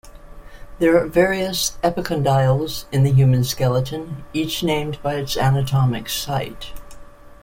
There are various epicondyles in the human skeleton, each named by its anatomic site.